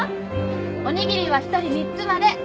おにぎりは１人３つまで。